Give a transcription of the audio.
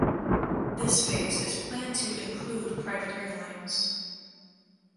This phase is planned to include private airlines.